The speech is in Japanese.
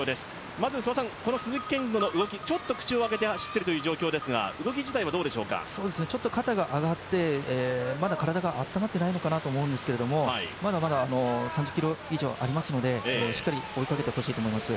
まず鈴木健吾、ちょっと口を開けて走っている状況ですが、少し肩が上がってまだ体があったまっていないのかなと思うんですけれども、まだまだ３０ｋｍ以上ありますので、しっかり追いかけてほしいと思います。